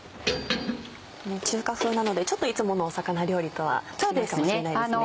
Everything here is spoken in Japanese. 中華風なのでちょっといつもの魚料理とは違うかもしれないですね。